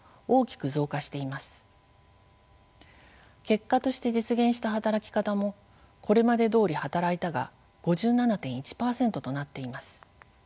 「結果として実現した働き方」も「これまでどおり働いた」が５７．１％となっています。